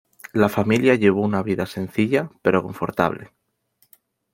La familia llevó una vida sencilla pero confortable.